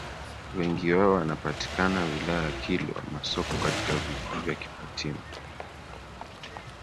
Wengi wao wanapatikana wilaya ya Kilwa Masoko katika vijiji vya Kipatimu